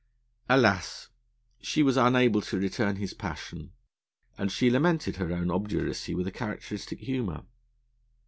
Alas! she was unable to return his passion, and she lamented her own obduracy with characteristic humour.